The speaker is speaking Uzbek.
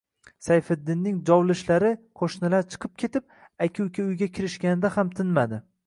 Sayfiddinning jovlishlari qo‘shnilar chiqib ketib, aka-uka uyga kirishganida ham tinmadi